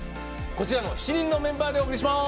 こちらの７人のメンバーでお送りします。